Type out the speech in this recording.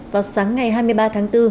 vào sáng ngày hai mươi ba tháng bốn